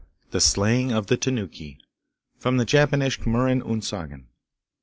The Slaying of the Tanuki From the Japanische Murchen und Sagen.